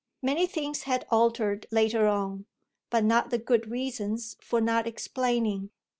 Many things had altered later on, but not the good reasons for not explaining.